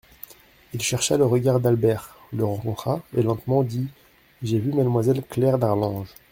Il chercha le regard d'Albert, le rencontra, et lentement dit : J'ai vu mademoiselle Claire d'Arlange.